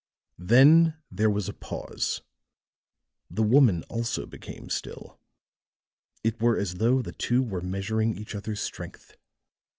Then there was a pause; the woman also became still; it were as though the two were measuring each other's strength.